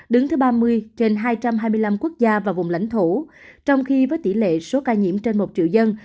đứng thứ ba mươi trên hai trăm hai mươi năm quốc gia và vùng lãnh thổ trong khi với tỷ lệ số ca nhiễm trên một triệu dân